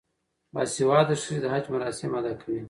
باسواده ښځې د حج مراسم ادا کوي.